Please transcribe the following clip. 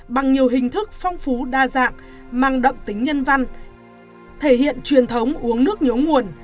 bằng nhiều hình thức phong phú đa dạng mang đậm tính nhân văn thể hiện truyền thống uống nước nhớ nguồn